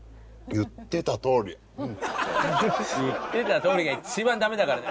「言ってたとおり」が一番ダメだからね。